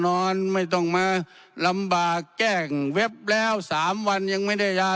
นอนไม่ต้องมาลำบากแกล้งเว็บแล้ว๓วันยังไม่ได้ยา